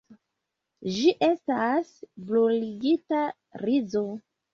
Ĝi estas bruligita rizo.